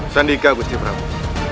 sandika gusti prabu